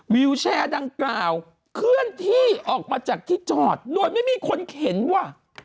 วิวแชร์ดังกล่าวเคลื่อนที่ออกมาจากที่จอดโดยไม่มีคนเห็นว่ะ